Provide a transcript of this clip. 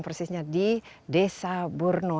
persisnya di desa burno